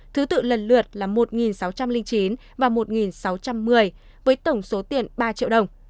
thứ tự lần lượt là một sáu trăm linh chín và một sáu trăm một mươi với tổng số tiền ba triệu đồng